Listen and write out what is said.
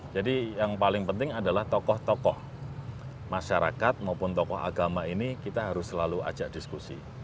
jadi yang paling penting adalah tokoh tokoh masyarakat maupun tokoh agama ini kita harus selalu ajak diskusi